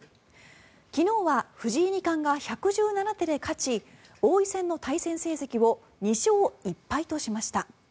昨日は藤井二冠が１１７手で勝ち王位戦の対戦成績を２勝１敗としました。